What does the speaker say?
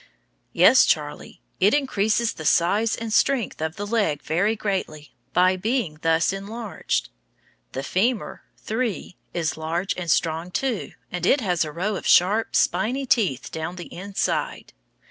Yes, Charlie, it increases the size and strength of the leg very greatly, by being thus enlarged. The femur, III, is large and strong, too, and it has a row of sharp, spiny teeth down the inside.